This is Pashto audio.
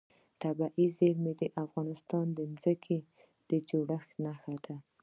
طبیعي زیرمې د افغانستان د ځمکې د جوړښت نښه ده.